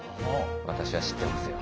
私は知ってますよ。